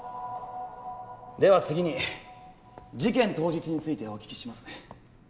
では次に事件当日についてお聞きしますね。